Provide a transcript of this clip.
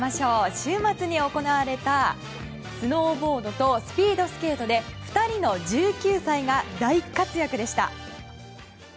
週末に行われたスノーボードとスピードスケートで２人の１９歳が大活躍でした。